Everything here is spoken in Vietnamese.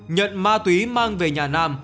nhận ma túy mang về nhà nam